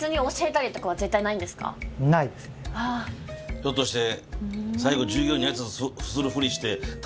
ひょっとして。